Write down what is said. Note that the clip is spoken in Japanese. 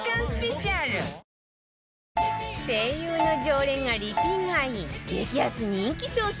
ＳＥＩＹＵ の常連がリピ買い激安人気商品